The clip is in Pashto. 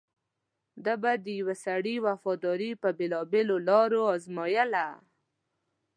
ده به د یوه سړي وفاداري په بېلابېلو لارو ازمویله.